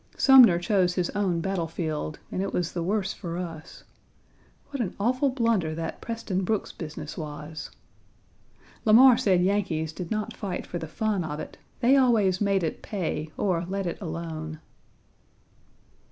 Sumner chose his own battle field, and it was the worse for us. What an awful blunder that Preston Brooks business was!" Lamar said Yankees did not fight for the fun of it; they always made it pay or let it alone.